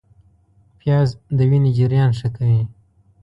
پیاز د وینې جریان ښه کوي